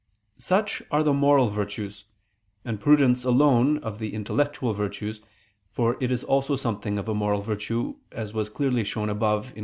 Such are the moral virtues, and prudence alone, of the intellectual virtues, for it is also something of a moral virtue, as was clearly shown above (Q.